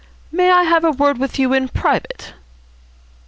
"May I have a word with you in private?"